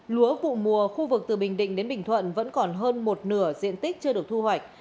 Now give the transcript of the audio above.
lúa vụ mùa khu vực từ bình định đến bình thuận vẫn còn hơn một nửa diện tích chưa được thu hoạch